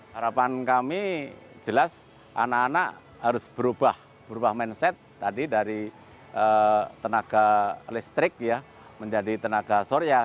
harapan kami jelas anak anak harus berubah berubah mindset tadi dari tenaga listrik menjadi tenaga surya